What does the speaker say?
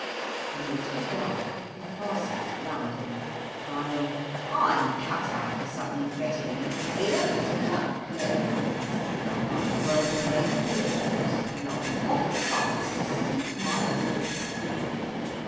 When this was done he fastened it round him, crying: "I'm cut out for something better than a tailor, it's quite clear. I'm one of the world's great heroes, and I'll be off at once to seek my fortune."